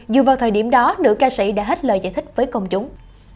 dù vào thời điểm đó nữ ca sĩ đã hết lời giải thích với công chúng